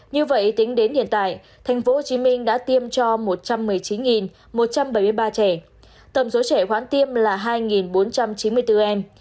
như vậy tính đến hiện tại tp hcm đã tiêm cho một trăm một mươi chín một trăm bảy mươi ba trẻ tầm số trẻ hoãn tiêm là hai bốn trăm chín mươi bốn em